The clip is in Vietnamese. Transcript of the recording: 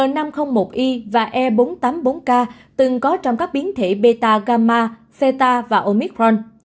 n năm trăm linh một i và e bốn trăm tám mươi bốn k từng có trong các biến thể beta gamma theta và omicron